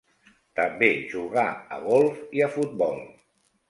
També jugà a golf i a futbol.